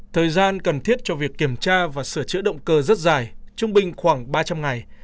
thời gian cần thiết cho việc kiểm tra và sửa chữa động cơ rất dài trung bình khoảng ba trăm linh ngày